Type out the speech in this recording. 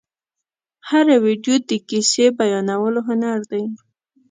هره ویډیو د کیسې بیانولو هنر دی.